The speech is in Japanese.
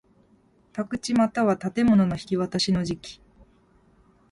宅地又は建物の引渡しの時期